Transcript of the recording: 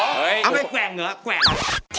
เหรอไม่ให้แกว้งเหงอะ